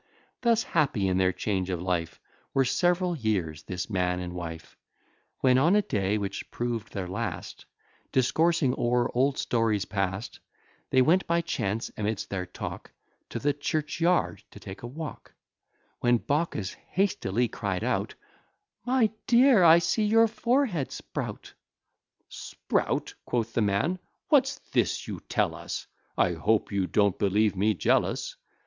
Thus happy in their change of life, Were several years this man and wife: When on a day, which prov'd their last, Discoursing o'er old stories past, They went by chance, amidst their talk, To the churchyard to take a walk; When Baucis hastily cry'd out, "My dear, I see your forehead sprout!" "Sprout;" quoth the man; "what's this you tell us? I hope you don't believe me jealous!